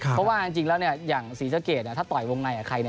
เพราะว่าจริงแล้วอย่างศรีสะเกดถ้าต่อยวงในกับใคร